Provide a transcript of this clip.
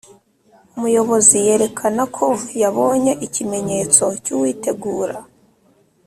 umuyobozi yerekana ko yabonye ikimenyetso cy uwitegura